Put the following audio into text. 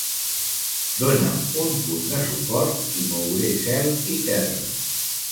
Dóna'm un punt de suport i mouré cel i terra.